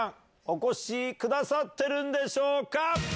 お越しくださってるでしょうか？